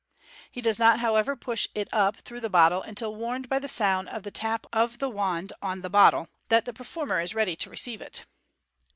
He does not, however, push it up through the bottle until warned by the sound of the tap of the wand on the bottle that the performer is ready to receive it.